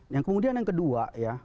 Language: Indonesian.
yang kemudian yang kedua ya